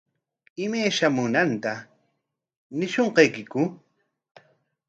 ¿Imay shamunanta ñishunqaykiku?